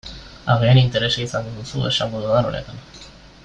Agian interesa izango duzu esango dudan honetan.